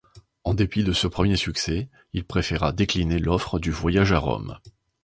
En dépit de ce premier succès, il préféra décliner l’offre du voyage à Rome.